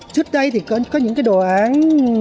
trước đây thì có những cái đồ án